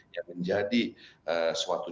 yang menjadi suatu